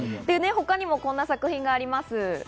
他にもこんな作品があります。